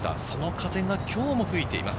その風が今日も吹いています。